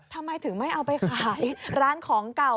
ทำไมถึงไม่เอาไปขายร้านของเก่า